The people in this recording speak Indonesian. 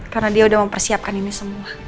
karena dia udah mau persiapkan ini semua